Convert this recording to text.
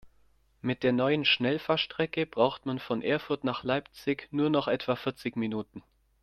Mit der neuen Schnellfahrstrecke braucht man von Erfurt nach Leipzig nur noch etwa vierzig Minuten